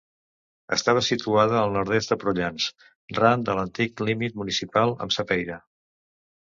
Estava situada al nord-est de Prullans, ran de l'antic límit municipal amb Sapeira.